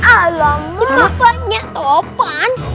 alamak bapaknya taufan